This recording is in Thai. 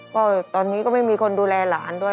ก็ตอนนี้ก็ไม่มีคนดูแลหลานด้วย